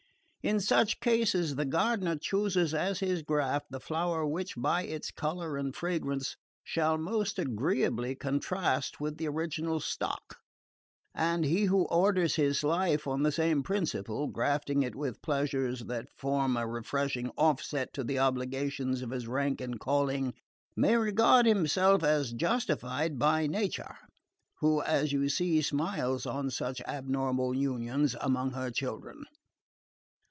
In such cases the gardener chooses as his graft the flower which, by its colour and fragrance, shall most agreeably contrast with the original stock; and he who orders his life on the same principle, grafting it with pleasures that form a refreshing off set to the obligations of his rank and calling, may regard himself as justified by Nature, who, as you see, smiles on such abnormal unions among her children.